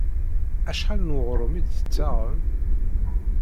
Acḥal n weɣrum i d-tettaɣem?